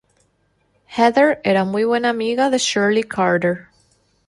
Heather era muy buena amiga de Shirley Carter.